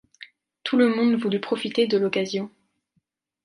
Tout le monde voulut profiter de l’occasion.